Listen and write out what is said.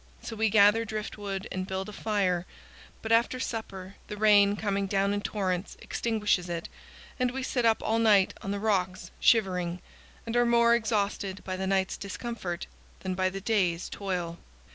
So we gather driftwood and build a fire; but after supper the rain, coming down in torrents, extinguishes it, and we sit up all night on the rocks, shivering, and are more exhausted by the night's discomfort than by the day's toil.